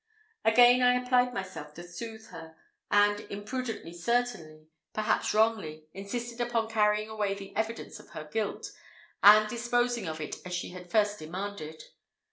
Again I applied myself to soothe her; and imprudently certainly, perhaps wrongly, insisted upon carrying away the evidence of her guilt, and disposing of it as she had at first demanded.